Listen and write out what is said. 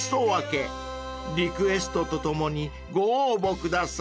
［リクエストとともにご応募ください］